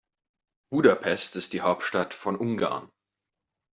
Budapest ist die Hauptstadt von Ungarn.